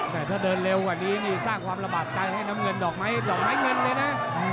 แต่ถ้าเดินเร็วกว่านี้นี่สร้างความระบาดใจให้น้ำเงินดอกไม้ดอกไม้เงินเลยนะ